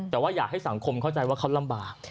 แต่ว่าอยากให้สังคมเข้าใจว่าเขาลำบาก